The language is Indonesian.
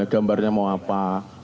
gambarnya mau apa